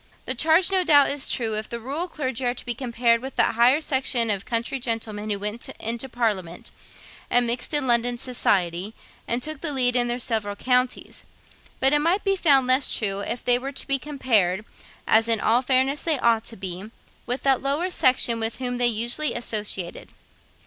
The charge no doubt is true, if the rural clergy are to be compared with that higher section of country gentlemen who went into parliament, and mixed in London society, and took the lead in their several counties; but it might be found less true if they were to be compared, as in all fairness they ought to be, with that lower section with whom they usually associated.